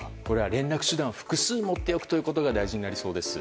連絡手段を複数持っておくことが大事になりそうです。